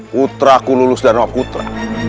putra ku lulus dharma putra